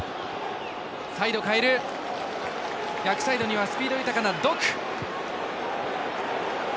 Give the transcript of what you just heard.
逆サイドにはスピード豊かなドク。